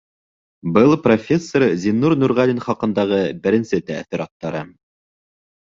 Был профессор Зиннур Нурғәлин хаҡындағы беренсе тәьҫораттарым...